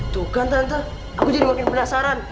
tuh kan tante aku jadi makin penasaran